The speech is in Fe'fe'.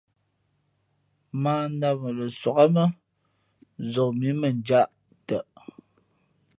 Mᾱ ǎ dāmα lα sog ā mά nzok mǐ konjāʼ nǐ tαʼ.